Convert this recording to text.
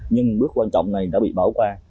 nhưng bước quan trọng này đã bị bảo qua